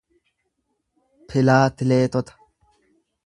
pilaatileetota